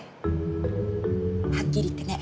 はっきり言ってね